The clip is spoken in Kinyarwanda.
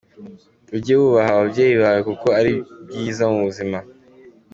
Ujye wubaha ababyeyi bawe kuko ari byiza mubuzima.